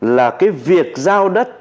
là cái việc giao đất